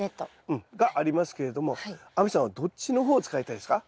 うん。がありますけれども亜美さんはどっちの方を使いたいですか？